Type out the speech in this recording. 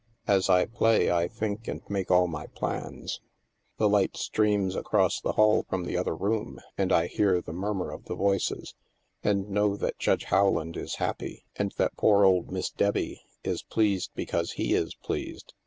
As I play, I think and make all my plans. The light streams across the hall from the other room, and I hear the murmur of the voices, and know that Judge How land is happy, and that poor old Miss Debbie is pleased because he is pleased.